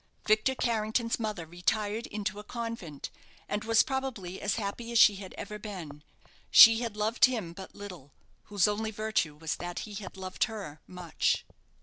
Victor Carrington's mother retired into a convent, and was probably as happy as she had ever been. She had loved him but little, whose only virtue was that he had loved her much.